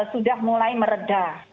sudah mulai meredah